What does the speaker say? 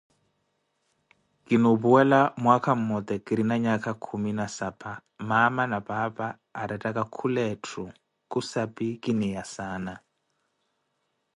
Kinuupuwela mwaakha mmoote kirina nyakha khumi na saapa maama na paapa arettaka wakhula etthu kusabi kiniya saana.